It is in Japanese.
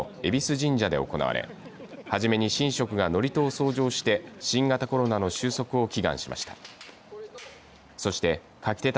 神社で行われはじめに神職が祝詞を奏上して新型コロナの収束を祈願しました。